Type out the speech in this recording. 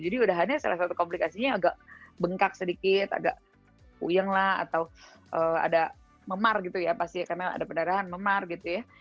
jadi udah hanya salah satu komplikasinya agak bengkak sedikit agak puyeng lah atau ada memar gitu ya pasti karena ada penerahan memar gitu ya